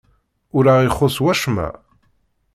Ur aɣ-ixuṣṣ wacemma?